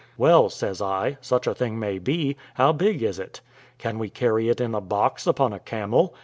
"Well," says I, "such a thing may be; how big is it? Can we carry it in a box upon a camel?